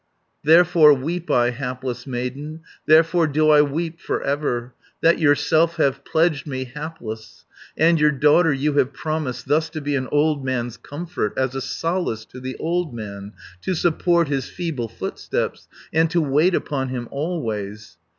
"Therefore weep I, hapless maiden, Therefore do I weep for ever, That yourself have pledged me, hapless. And your daughter you have promised Thus to be an old man's comfort, As a solace to the old man, 240 To support his feeble footsteps, And to wait upon him always.